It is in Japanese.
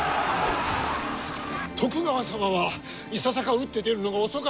徳川様はいささか打って出るのが遅かったように存じますが。